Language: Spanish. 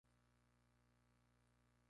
La sede de condado es Cumming.